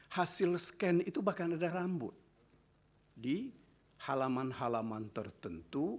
hasil scan itu bahkan ada rambut di halaman halaman tertentu